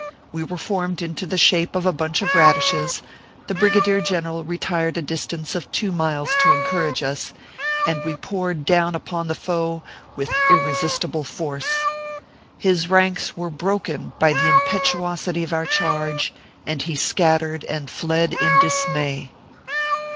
We were formed into the shape of a bunch of radishes, the brigadier general retired a distance of two miles to encourage us, and we poured down upon the foe with irresistible force. His ranks were broken by the impetuosity of our charge, and he scattered and fled in dismay.